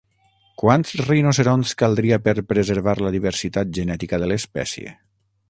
Quants rinoceronts caldria per preservar la diversitat genètica de l'espècie?